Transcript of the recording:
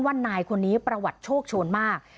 นายคนนี้ประวัติโชคโชนมาก